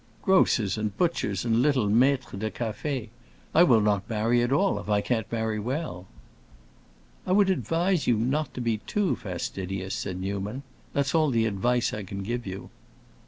"Grocers and butchers and little maîtres de cafés! I will not marry at all if I can't marry well." "I would advise you not to be too fastidious," said Newman. "That's all the advice I can give you."